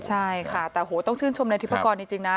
ใช่ค่ะแต่โหต้องชื่นชมในทิพกรจริงนะ